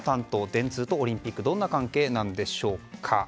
電通とオリンピックはどんな関係なのでしょうか。